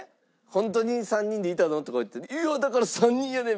「ホントに３人でいたの？」とか言って「いやだから３人やねん！」